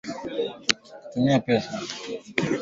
Iran yaamua kusitisha mazungumzo yake ya siri na Saudi Arabia.